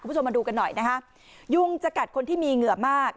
คุณผู้ชมมาดูกันหน่อยนะฮะยุงจะกัดคนที่มีเหงื่อมาก